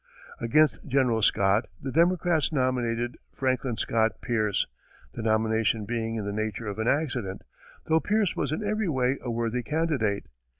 Against General Scott, the Democrats nominated Franklin Scott Pierce, the nomination being in the nature of an accident, though Pierce was in every way a worthy candidate.